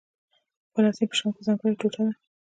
خو فلسطین په شام کې ځانګړې ټوټه ده.